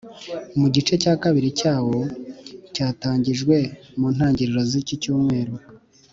Mu gice cya kabiri cyawo cyatangijwe mu ntangiro z’iki cyumweru